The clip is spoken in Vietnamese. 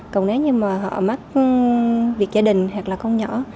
còn nếu như mà họ mất việc gia đình hoặc là con nhỏ